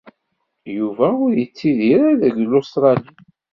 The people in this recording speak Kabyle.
Yuba ur yettidir-ara deg Lustṛali.